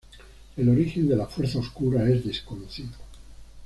El origen de la Fuerza Oscura es desconocido.